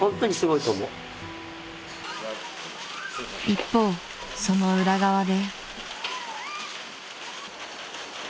［一方その裏側で］